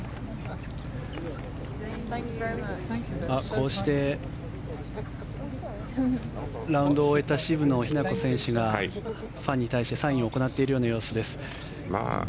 こうしてラウンドを終えた渋野日向子選手がファンに対してサインを行っているような様子です。